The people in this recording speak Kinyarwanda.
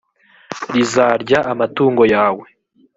rizarya amatungo yawe,